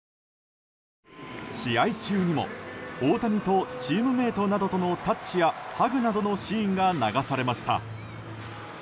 試合中にも、大谷とチームメートなどとのタッチやハグなどのシーンが流されました。